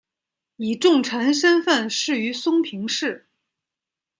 以重臣身份仕于松平氏。